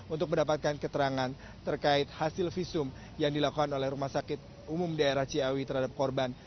untuk mendapatkan keterangan terkait hasil visum yang dilakukan oleh rumah sakit umum daerah ciawi terhadap korban